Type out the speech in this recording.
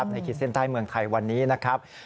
ขีดเส้นใต้เมืองไทยวันนี้นะครับ